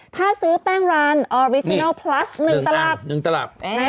ถ้าซื้อแป้งรานออริจินัลพลัส๑ตลับ๑ตลับ